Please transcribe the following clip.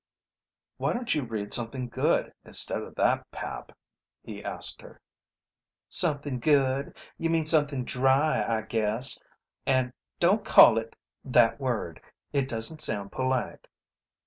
"Why don't you read something good, instead of that pap?" he asked her. "Something good? You mean something dry, I guess. And don't call it ... that word. It doesn't sound polite."